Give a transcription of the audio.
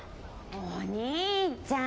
お兄ちゃん！？